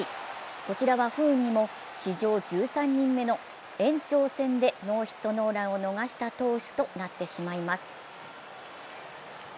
こちらは不運にも史上１３人目の延長戦でノーヒットノーランを逃した投手となってしまいます。